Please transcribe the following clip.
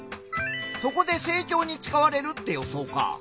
そこで成長に使われるって予想か。